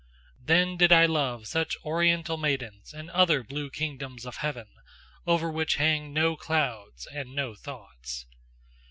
Then did I love such Oriental maidens and other blue kingdoms of heaven, over which hang no clouds and no thoughts.